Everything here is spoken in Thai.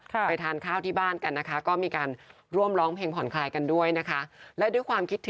ไปทานข้าวที่บ้านกันนะคะก็มีการร่วมร้องเพลงผ่อนคลายกันด้วยนะคะ